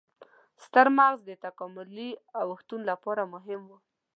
ستر مغز د تکاملي اوښتون لپاره مهم و.